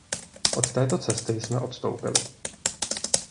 Od této cesty jsme odstoupili.